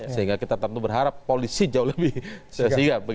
sehingga kita tentu berharap polisi jauh lebih sigap